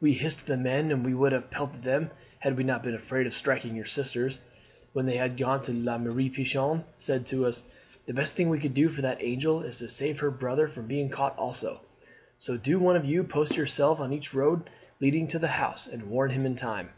We hissed the men, and we would have pelted them had we not been afraid of striking your sisters. When they had gone La Mere Pichon said to some of us, 'The best thing we can do for that angel is to save her brother from being caught also. So do one of you post yourself on each road leading to the house, and warn him in time.